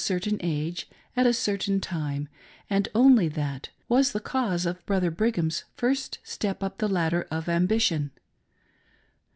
267 certain age at a certain time, and only that, was the cause of Brother Brigham's first step up the ladder of ambition.